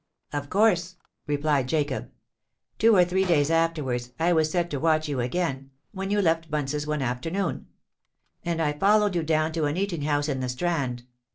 "Of course," replied Jacob. "Two or three days afterwards I was set to watch you again, when you left Bunce's one afternoon; and I followed you down to an eating house in the Strand.